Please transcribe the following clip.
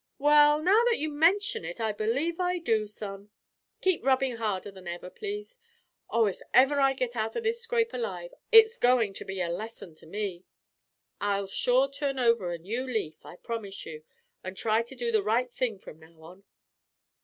"Well, now that you mention it, I believe I do, son. Keep rubbing harder than ever, please. Oh, if ever I get out of this scrape alive it's going to be a lesson to me. I'll sure turn over a new leaf, I promise you, and try to do the right thing from now on."